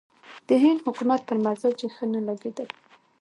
د هند حکومت پر مزاج یې ښه نه لګېدل.